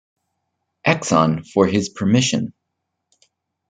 Exon for his permission.